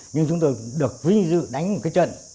nhưng chúng tôi được vinh dự đánh một cái trận